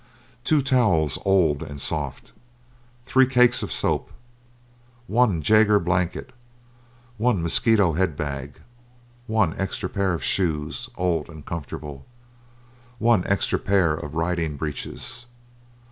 Two towels old, and soft. Three cakes of soap. One Jaeger blanket. One mosquito head bag. One extra pair of shoes, old and comfortable. One extra pair of riding breeches.